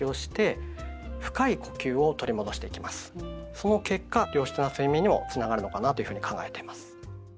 その結果良質な睡眠にもつながるのかなというふうに考えています。